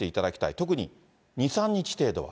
特に２、３日程度は。